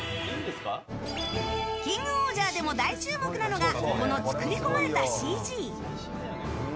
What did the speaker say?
「キングオージャー」でも大注目なのがこの作り込まれたＣＧ！